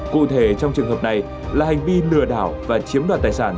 cụ thể trong trường hợp này là hành vi lừa đảo và chiếm đoạt tài sản